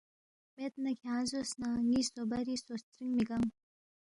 مید نہ کھیانگ زوس نہ ن٘ی سو بری سو سترِن مِہ گنگ